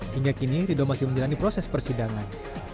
hingga kini rido masih menjalani proses persidangan